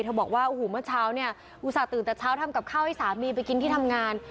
บอกว่าโอ้โหเมื่อเช้าเนี่ยอุตส่าหื่นแต่เช้าทำกับข้าวให้สามีไปกินที่ทำงาน